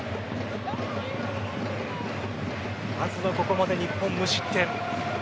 まずはここまで日本、無失点。